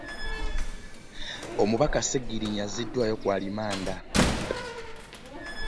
Omubaka Ssegirinnya azziddwayo ku alimanda